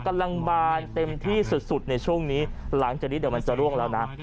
กำลังบานเต็มที่สุดในช่วงนี้หลังจากนี้เดี๋ยวมันจะร่วงแล้วนะ